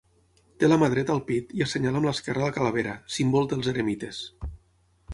Té la mà dreta al pit i assenyala amb l'esquerra la calavera, símbol dels eremites.